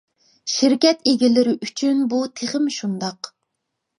شىركەت ئىگىلىرى ئۈچۈن بۇ تېخىمۇ شۇنداق.